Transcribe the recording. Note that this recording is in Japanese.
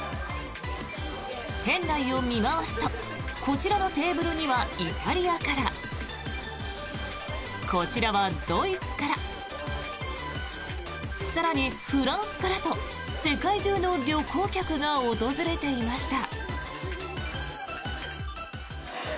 店内を見回すとこちらのテーブルにはイタリアからこちらはドイツから更に、フランスからと世界中の旅行客が訪れていました。